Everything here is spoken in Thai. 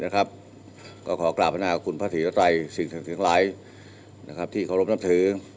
ก็ขอกล้าพนาคคุณพระธีรัตไตรสิ่งทั้งหลายที่เคารพนับถือ